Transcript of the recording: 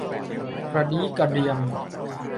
กระดี้กระเดียม